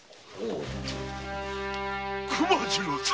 熊次郎様